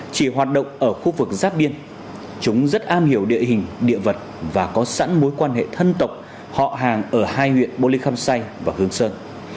chỉ hoạt động ở khu vực giáp biên chúng rất am hiểu địa hình địa vật và có sẵn mối quan hệ thân tộc họ hàng ở hai huyện bô lê khâm say và hương sơn